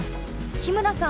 日村さん